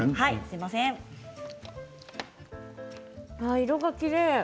ああ、色がきれい。